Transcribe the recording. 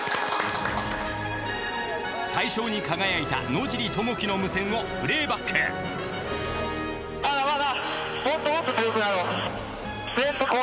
大賞に輝いた野尻智紀の無線をプレーバックそんな